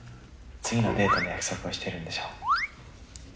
次のデートの約束をしているんでしょう。